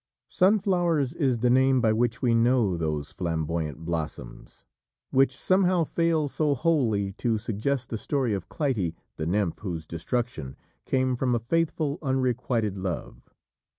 "Sunflowers" is the name by which we know those flamboyant blossoms which somehow fail so wholly to suggest the story of Clytie, the nymph whose destruction came from a faithful, unrequited love.